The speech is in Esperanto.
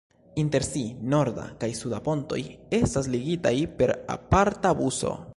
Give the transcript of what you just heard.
Inter si "norda" kaj "suda pontoj" estas ligitaj per aparta buso.